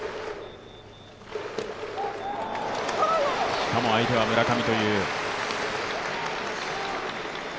しかも相手は村上という。